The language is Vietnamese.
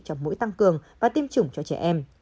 trong mũi tăng cường và tiêm chủng cho trẻ em